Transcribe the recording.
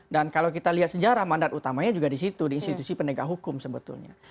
dan kalau kita lihat sejarah mandat utamanya juga di situ di institusi pendidikan hukum sebetulnya